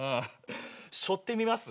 しょってみます？